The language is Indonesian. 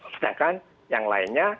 sedangkan yang lainnya